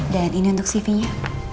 dan ini untuk cv nya